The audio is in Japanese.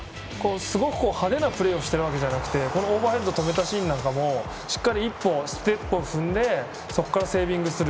すごく派手なプレーをしているわけじゃなくてオーバーヘッドを止めたシーンもしっかり一歩ステップを踏んでそこからセービングする。